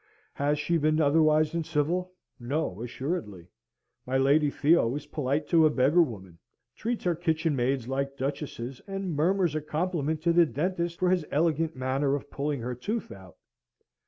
Has she been otherwise than civil? No, assuredly! My Lady Theo is polite to a beggar woman, treats her kitchenmaids like duchesses, and murmurs a compliment to the dentist for his elegant manner of pulling her tooth out.